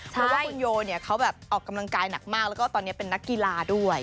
เพราะว่าคุณโยเนี่ยเขาแบบออกกำลังกายหนักมากแล้วก็ตอนนี้เป็นนักกีฬาด้วย